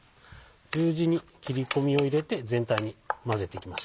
十字に切り込みを入れて全体に混ぜていきます。